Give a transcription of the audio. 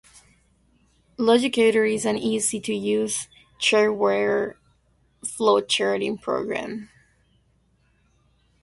Logicator is an easy to use shareware flowcharting program.